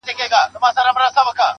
ميسج.